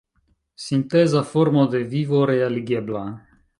Sinteza formo de vivo realigebla!